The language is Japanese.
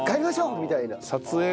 みたいな。